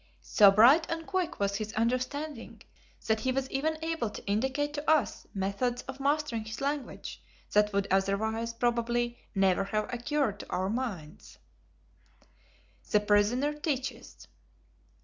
So bright and quick was his understanding that he was even able to indicate to us methods of mastering his language that would otherwise, probably, never have occurred to our minds. The Prisoner Teaches.